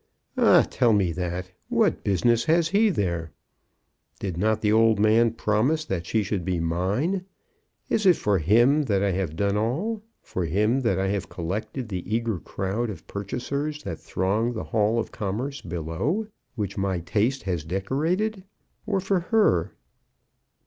"Ah, tell me that, what business has he here? Did not the old man promise that she should be mine? Is it for him that I have done all; for him that I have collected the eager crowd of purchasers that throng the hall of commerce below, which my taste has decorated? Or for her